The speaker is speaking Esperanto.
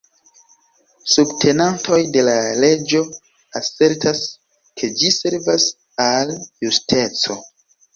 Subtenantoj de la leĝo asertas, ke ĝi servas al justeco.